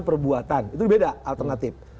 perbuatan itu beda alternatif